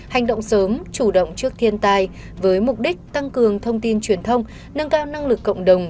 hành động sớm chủ động trước thiên tai với mục đích tăng cường thông tin truyền thông nâng cao năng lực cộng đồng